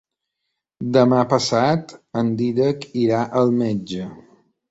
Demà passat en Dídac irà al metge.